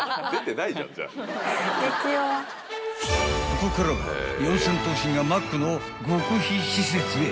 ［ここからは四千頭身がマックの極秘施設へ］